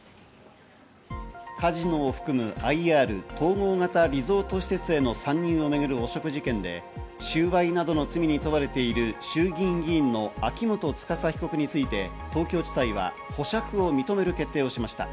カジノを含むＩＲ・統合型リゾート施設への参入を巡る汚職事件で、収賄などの罪に問われている衆議院議員の秋元司被告について東京地裁は保釈を認める決定をしました。